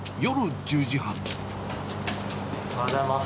おはようございます。